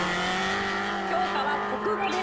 教科は国語です。